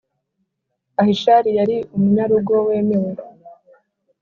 Ahishari yari umunyarugo wemewe